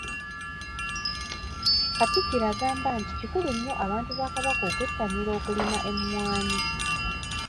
Katikkiro agamba nti kikulu nnyo abantu ba Kabaka okwettanira okulima emmwanyi.